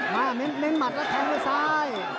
เน้นหมัดแล้วแทงด้วยซ้าย